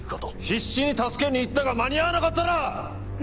必死に助けに行ったが間に合わなかったら！？